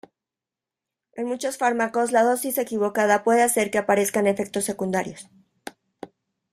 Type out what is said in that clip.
En muchos fármacos la dosis equivocada puede hacer que aparezcan efectos secundarios.